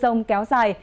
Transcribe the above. mưa rông kéo dài